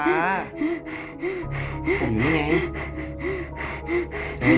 ม่ะม่ะมีผมอยู่มนี่ไง